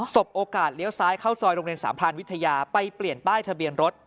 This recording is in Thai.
บโอกาสเลี้ยวซ้ายเข้าซอยโรงเรียนสามพรานวิทยาไปเปลี่ยนป้ายทะเบียนรถ